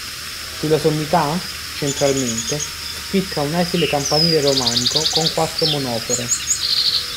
Sulla sommità, centralmente, spicca un esile campanile romanico con quattro monofore.